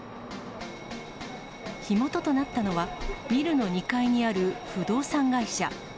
火元となったのは、ビルの２階にある不動産会社。